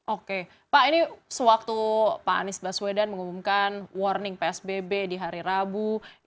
oke pak ini sewaktu pak anies baswedan mengumumkan warning psbb di hari rabu